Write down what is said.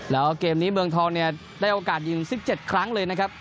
แล้วเกมนี้เมืองทองเนี่ยได้โอกาสยิง๑๗ครั้งเลยนะครับ